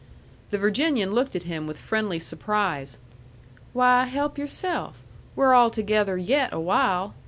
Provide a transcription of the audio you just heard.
The Virginian looked at him with friendly surprise. "Why, help yourself! We're all together yet awhile.